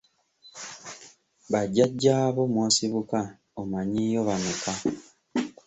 Bajjajja bo mw’osibuka omanyiiyo bameka?